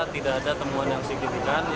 tidak ada temuan yang signifikan